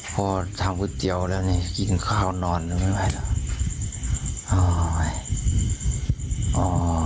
พอทำกุฏเตียวแล้วนี่กินข้าวนอนไม่ไหวหรอก